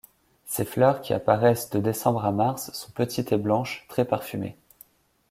Ses fleurs qui apparaissent de décembre à mars, sont petites et blanches, très parfumées.